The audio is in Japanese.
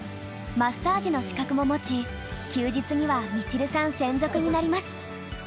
マッサージの資格も持ち休日にはみちるさん専属になります。